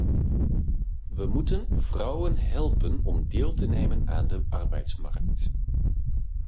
We moeten vrouwen helpen om deel te nemen aan de arbeidsmarkt.